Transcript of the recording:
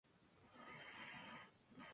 Además, Mr.